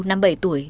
năm bảy tuổi